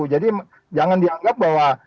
jadi jangan dianggap bahwa